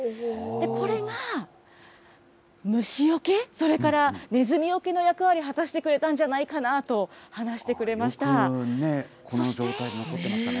これが虫よけ、それから、ねずみよけの役割、果たしてくれたんじゃないかなと話してくれました。